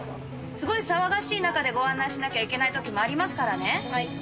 すごい騒がしい中でご案内しなきゃいけないときもありますかはい。